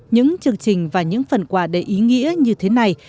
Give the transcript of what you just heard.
những chương trình và những phần quà đầy ý nghĩa như thế này